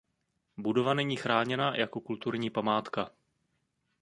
Budova není chráněna jako kulturní památka.